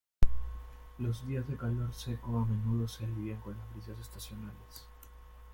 Los días de calor seco a menudo se alivian con brisas estacionales.